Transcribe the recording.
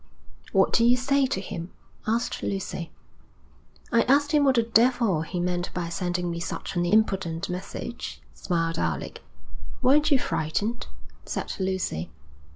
'What did you say to him?' asked Lucy. 'I asked him what the devil he meant by sending me such an impudent message,' smiled Alec. 'Weren't you frightened?' said Lucy.